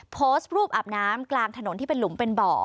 โพสต์รูปอาบน้ำกลางถนนที่เป็นหลุมเป็นบ่อ